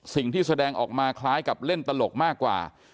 แสดงออกมาคล้ายกับเล่นตลกมากกว่า